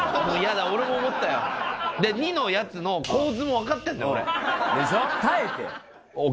いや、もう俺も思ったよ、２のやつの構図も分かってるんだ、俺。でしょ。